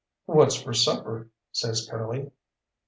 "What's for supper?" says Curly.